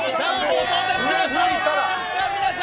皆さん！